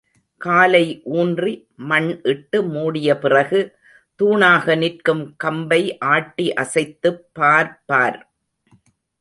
காலை ஊன்றி மண்இட்டு மூடியபிறகு தூணாக நிற்கும் கம்பை ஆட்டி அசைத்துப் பார்ப்பார்.